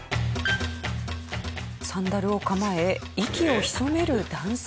サンダルを構え息を潜める男性。